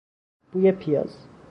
بوی پیاز